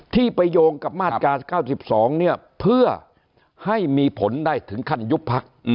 ที่ไปโยงกับมาตรา๙๒เนี่ยเพื่อให้มีผลได้ถึงขั้นยุบพัก